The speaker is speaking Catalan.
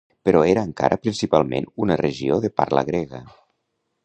Però era encara principalment una regió de parla grega.